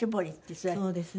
そうですね。